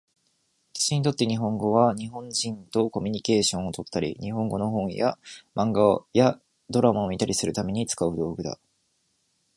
私にとって日本語は、日本人とコミュニケーションをとったり、日本語の本や漫画やドラマを見たりするために使う道具だ。